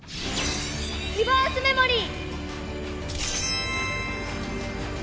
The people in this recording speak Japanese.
リバースメモリー！